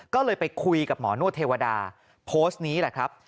ก็เลยไปคุยกับหมอนวดเทวดาโพสต์นี้แหละครับ